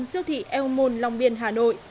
siêu thị el môn long biên hà nội